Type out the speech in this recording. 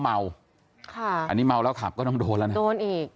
สพระพระแดงก็แจ้งข้อหาไปนะครับเรื่องของอาวุธปืนนะครับ